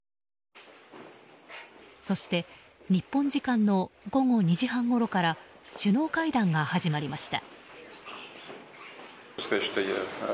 そして、日本時間の午後２時半ごろから首脳会談が始まりました。